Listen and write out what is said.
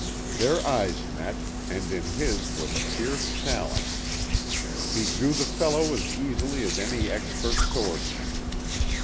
Their eyes met, and in his was a fierce challenge. He drew the fellow as easily as any expert swordsman.